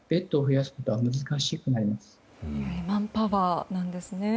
やはりマンパワーなんですね。